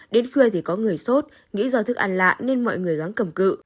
đến khuya thì có người sốt nghĩ do thức ăn lạ nên mọi người gắn cầm cự